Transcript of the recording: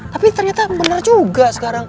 tapi ternyata benar juga sekarang